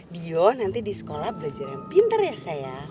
dio nanti di sekolah belajar yang pinter ya sayang